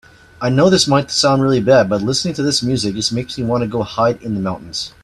I know this might sound really bad, but listening to this music just makes me want to go hide in the mountains.